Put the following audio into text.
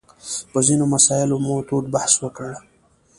په ځینو مسایلو مو تود بحث وکړ.